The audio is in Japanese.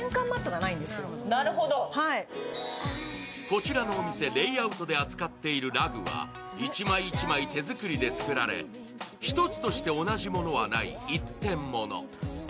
こちらのお店、Ｌａｙｏｕｔで扱っているラグは１枚１枚手作りで作られ、１つとして同じものはない一点もの。